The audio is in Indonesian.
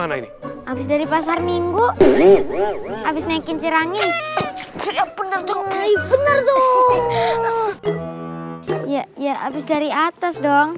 habis dari pasar minggu habis naikin sirangin bener bener dong ya ya habis dari atas dong